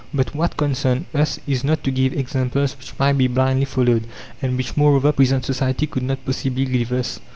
But what concerns us is not to give examples which might be blindly followed, and which, moreover, present society could not possibly give us.